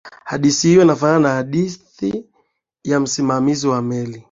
hadithi hiyo inafanana na hadithi ya msimamizi wa meli